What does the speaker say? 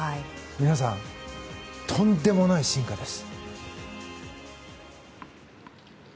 皆さん、とんでもない進化です。